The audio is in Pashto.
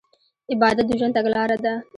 عبادت د ژوند تګلاره ده.